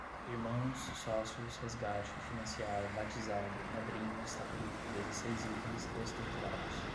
irmãos, sócios, resgate, financiar, batizado, padrinho, estatuto, dezesseis itens, estruturados